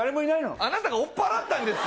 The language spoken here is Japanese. あなたが追っ払ったんですよ。